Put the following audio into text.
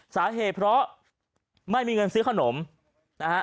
สาเหตุเพราะไม่มีเงินซื้อขนมนะฮะ